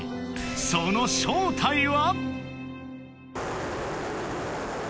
その正体は！？